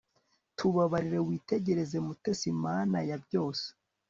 tubabarire witegereze, mutegetsi, mana ya byose